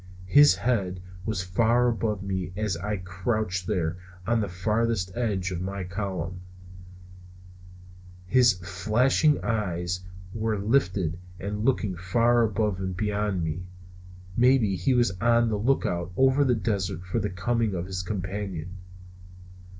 His head was far above me as I crouched there on the farther edge of my column; his flashing eyes were lifted and looking far above me and beyond me. Maybe he was on the lookout over the desert for the coming of his companion.